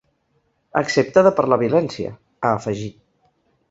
Excepte de per la violència, ha afegit.